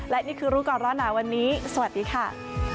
และนี่คือรู้ก่อนร้อนหนาวันนี้สวัสดีค่ะ